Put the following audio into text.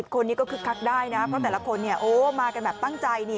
๘๐คนนี้ก็คึกคักได้นะเพราะแต่ละคนเนี่ยโอ้มากันแบบปั้งใจ